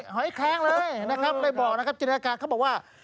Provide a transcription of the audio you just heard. หอยแค้งเลยนะครับได้บอกนะครับจินตนาการเขาบอกว่า